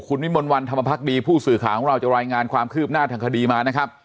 คุณวิมลวันธรรมพักดีผู้สื่อข่าวของเราจะรายงานความคืบหน้าทางคดีมานะครับ